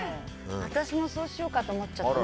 私もそうしようかと思っちゃった。